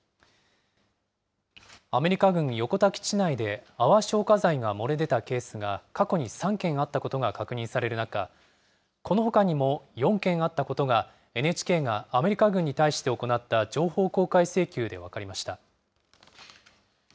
アメリカ軍横田基地内で泡消火剤が漏れ出たケースが過去に３件あったことが確認される中、このほかにも４件あったことが、ＮＨＫがアメリカ軍に対して行った情報公開請求で分かりました。